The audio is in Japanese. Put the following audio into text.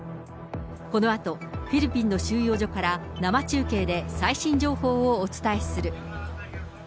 このあと、フィリピンの収容所から生中継で最新情報をお伝えする。